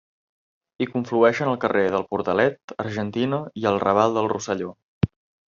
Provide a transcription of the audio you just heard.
Hi conflueixen el carrer del Portalet, Argentina i el Raval del Rosselló.